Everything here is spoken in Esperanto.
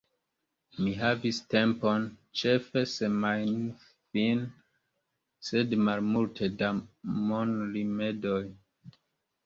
Mi havis tempon, ĉefe semajnfine, sed malmulte da monrimedoj.